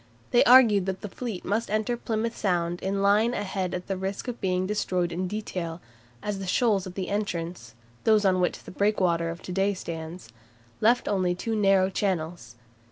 They argued that the fleet must enter Plymouth Sound in line ahead at the risk of being destroyed in detail, as the shoals at the entrance (those on which the breakwater of to day stands) left only two narrow channels.